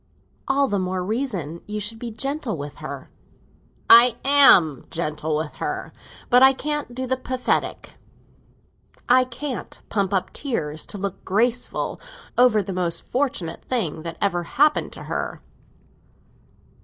"All the more reason you should be gentle with her." "I am gentle with her. But I can't do the pathetic; I can't pump up tears, to look graceful, over the most fortunate thing that ever happened to her."